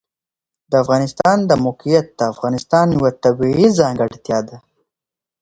د افغانستان د موقعیت د افغانستان یوه طبیعي ځانګړتیا ده.